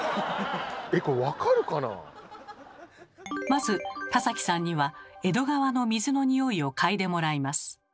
まず田崎さんには江戸川の水のニオイを嗅いでもらいます。